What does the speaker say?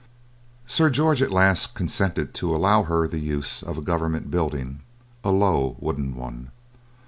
Sir George at last consented to allow her the use of a Government building, a low wooden one.